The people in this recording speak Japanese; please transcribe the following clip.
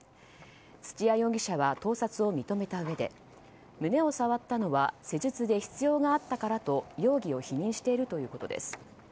土谷容疑者は盗撮を認めたうえで胸を触ったのは施術で必要があったからと容疑を否認しているということです。